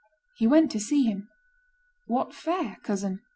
He went to see him. "What fare, cousin?"